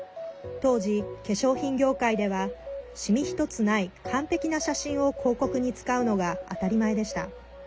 当時、化粧品業界ではシミひとつない完璧な写真を広告に使うのが当たり前でした。